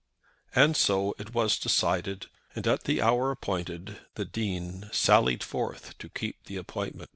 And so it was decided; and at the hour appointed the Dean sallied forth to keep the appointment.